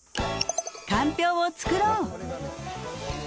かんぴょうを作ろう！